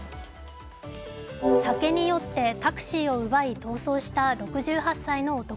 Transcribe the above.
酒に酔ってタクシーを奪い、逃走した６８歳の男。